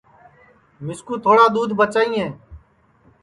مِسکُو تھوڑا دُدھ بچائیئے